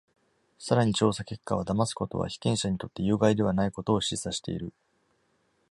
さらに、調査結果は、だますことは被験者にとって有害ではないことを示唆している。